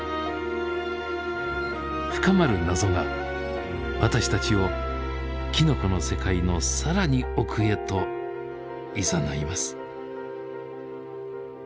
深まる謎が私たちをきのこの世界のさらに奥へといざないます。